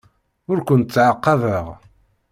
Ur kent-ttɛaqabeɣ.